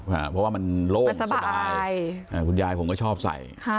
อ่าเพราะว่ามันโล่งสบายมันสบายอ่าคุณยายผมก็ชอบใส่ค่ะ